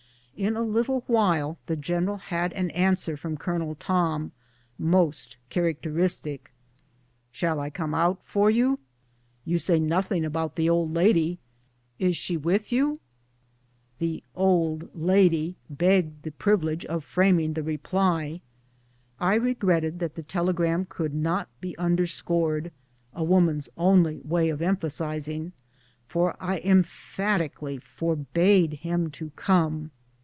In a little while the general had an answer from Colonel Tom, most characteristic :^* Shall I come out for you ? You say nothing about the old lady ; is she with you?" The "old lady" begged the privilege of framing the reply. I regretted that the telegram could not be un derscored — a woman's only way of emphasizing — for I emphatically forbade him to come.